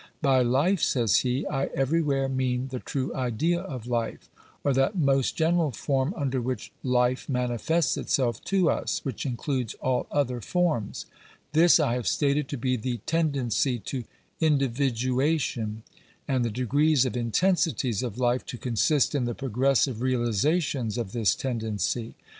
" By life," says he, " I everywhere mean the true idea of life, or that most general form under which life manifests itself to us, which includes all other forms. This I have stated to be the tendency to individuation; and the degrees or intensities of life to consist in the progressive realizations of this tendency."